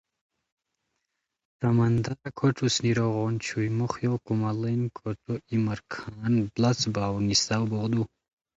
سمندارار کھوٹ اوسنیرو غون چھوئی موخیو کوماڑین کھوٹو ای مرکھان بڑاڅ با ؤ نیساؤ بوغدو